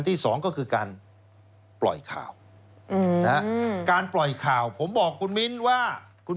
ที่สองก็คือการปล่อยข่าวนะฮะการปล่อยข่าวผมบอกคุณมิ้นว่าคุณ